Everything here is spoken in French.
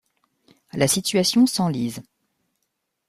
La situation s'enlise.